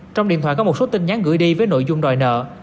trong điện thoại có một số tin nhắn gửi đi với nội dung đòi nợ